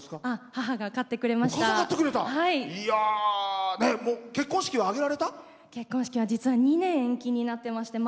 母が買ってくれました。